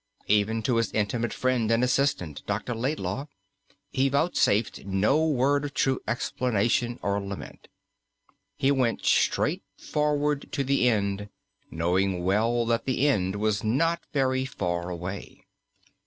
Even to his intimate friend and assistant, Dr. Laidlaw, he vouchsafed no word of true explanation or lament. He went straight forward to the end, knowing well that the end was not very far away.